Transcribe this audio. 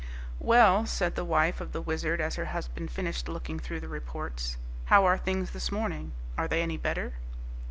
"Well," said the wife of the Wizard as her husband finished looking through the reports, "how are things this morning? Are they any better?"